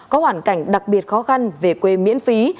có hoàn cảnh đặc biệt khó khăn về quê miễn phí